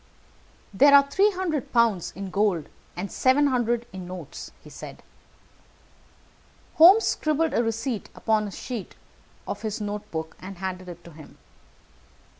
"There are three hundred pounds in gold, and seven hundred in notes," he said. Holmes scribbled a receipt upon a sheet of his notebook, and handed it to him.